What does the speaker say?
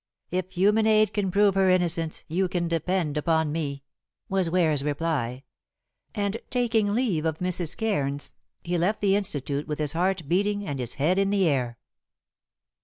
"If human aid can prove her innocence, you can depend upon me," was Ware's reply. And taking leave of Mrs. Cairns, he left the Institute with his heart beating and his head in the air.